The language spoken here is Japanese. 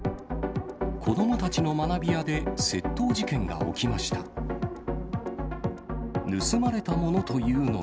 子どもたちの学びやで、窃盗事件が起きました。